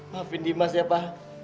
maafin dimas ya pa